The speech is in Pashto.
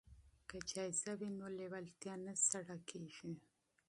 که جایزه وي نو لیوالتیا نه سړه کیږي.